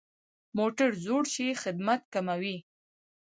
موټر زوړ شي، خدمت کموي.